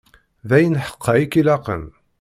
D ayen ḥeqqa i k-ilaqen.